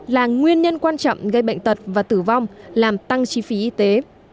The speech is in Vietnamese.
là nguyên nhân quan trọng gây bệnh tật và tử vong làm tăng chi phí y tế